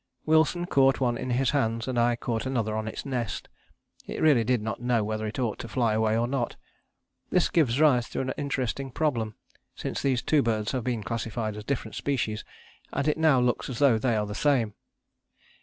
Wilson caught one in his hands and I caught another on its nest; it really did not know whether it ought to fly away or not. This gives rise to an interesting problem, since these two birds have been classified as different species, and it now looks as though they are the same.